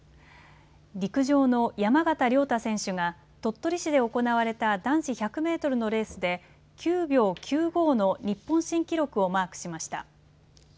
陸上の山縣亮太選手が鳥取市で行われた男子１００メートルのレースで９秒９５の日本新記録をマークしました。